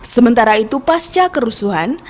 sementara itu pasca kerusuhan